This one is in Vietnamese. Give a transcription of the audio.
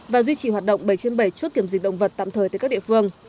và duy trì hoạt động bảy trên bảy chốt kiểm dịch động vật tạm thời tại các địa phương